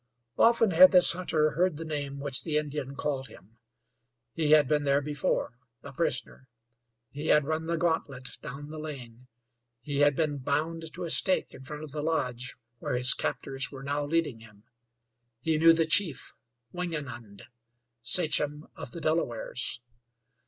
Often had this hunter heard the name which the Indian called him; he had been there before, a prisoner; he had run the gauntlet down the lane; he had been bound to a stake in front of the lodge where his captors were now leading him. He knew the chief, Wingenund, sachem of the Delawares.